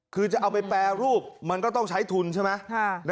คือจะเอาไปแปรรูปมันก็ต้องใช้ทุนใช่ไหม